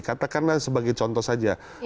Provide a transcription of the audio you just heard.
katakanlah sebagai contoh saja